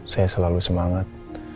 saya selalu semangat